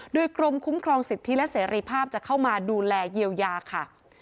โดยกรมคุ้มครองสิทธิและเสรีภาพจะเข้ามาดูแลเยียวยาค่ะ